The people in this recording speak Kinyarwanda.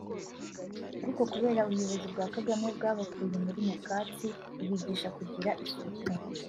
ariko kubera ubuyobozi bwa Kagame bwabakuye muri nyakatsi bubigisha kugira isuku